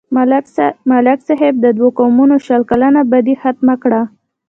ملک صاحب د دوو قومونو شل کلنه بدي ختمه کړه.